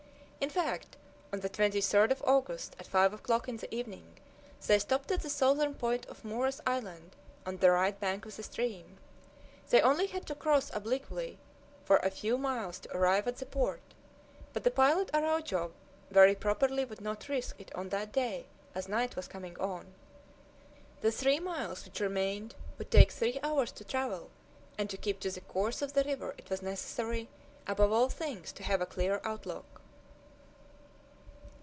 In fact, on the 23d of August, at five o'clock in the evening, they stopped at the southern point of Muras Island, on the right bank of the stream. They only had to cross obliquely for a few miles to arrive at the port, but the pilot Araujo very properly would not risk it on that day, as night was coming on. The three miles which remained would take three hours to travel, and to keep to the course of the river it was necessary, above all things, to have a clear outlook.